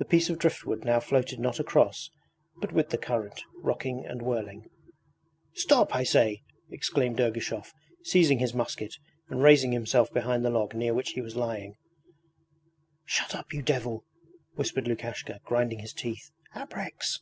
The piece of driftwood now floated not across, but with the current, rocking and whirling. 'Stop, I say!' exclaimed Ergushov, seizing his musket and raising himself behind the log near which he was lying. 'Shut up, you devil!' whispered Lukashka, grinding his teeth. 'abreks!'